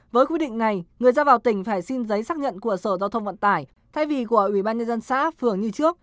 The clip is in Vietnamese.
với quy định này người ra vào tỉnh phải xin giấy xác nhận của sở giao thông vận tải thay vì của ủy ban nhân dân xã phường như trước